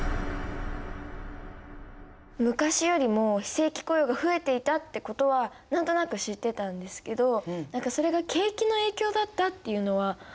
昔よりも非正規雇用が増えていたってことは何となく知ってたんですけどそれが景気の影響だったっていうのは初めて知りました。